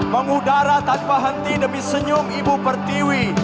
mengudara tanpa henti demi senyum ibu pertiwi